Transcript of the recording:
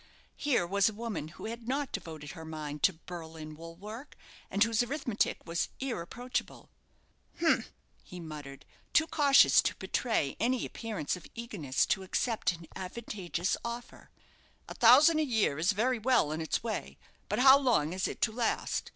Here was a woman who had not devoted her mind to Berlin wool work, and whose arithmetic was irreproachable! "Humph!" he muttered, too cautious to betray any appearance of eagerness to accept an advantageous offer. "A thousand a year is very well in its way; but how long is it to last?